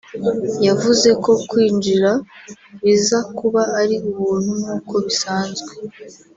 yavuze ko kwinjira biza kuba ari ubuntu nk’uko bisanzwe